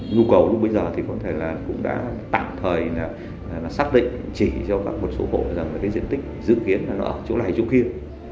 nhu cầu lúc bây giờ thì có thể là cũng đã tạm thời là xác định chỉ cho một số hộ rằng cái diện tích dự kiến là nó ở chỗ này chỗ kia